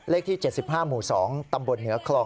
เลขที่๗๕หมู่๒ตำบลเหนือคลอง